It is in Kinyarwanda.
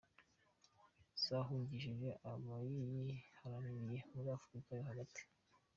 zahungishije abayihagarariye muri afurika yohagati